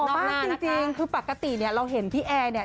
หล่อมากจริงคือปกตินิดนึงเราเห็นพี่แอร์เนี่ย